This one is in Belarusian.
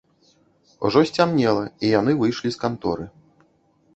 Ужо сцямнела, і яны выйшлі з канторы.